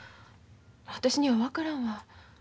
私には分からんわ。